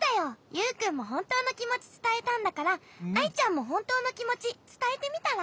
ユウくんもほんとうのきもちつたえたんだからアイちゃんもほんとうのきもちつたえてみたら？